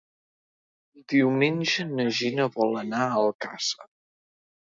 Diumenge na Gina vol anar a Alcàsser.